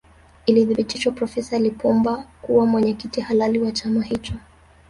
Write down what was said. Ilithibitishwa profesa Lipumba kuwa mwenyekiti halali wa chama hicho